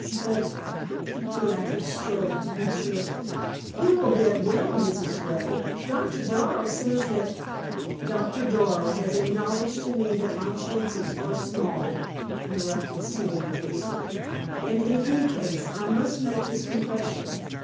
"But" Beatrix strove to be cheerful "you will get well, Mrs. Ray. Doctor Darrow says that " "Doctor Darrow has acknowledged to me that my chances are small," interrupted Celia, hastily. "And, in any case, I must make this confession.